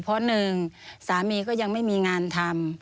เพราะหนึ่งสามีก็ยังไม่มีงานทำ